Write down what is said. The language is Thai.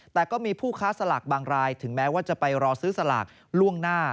แต่ก็มีผู้ค้าสลากบางรายถึงแม้ว่าจะไปรอซื้อสลากล่วงหน้า